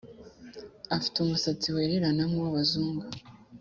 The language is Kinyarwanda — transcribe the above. afite umusatsi wererana nkuwa abazungu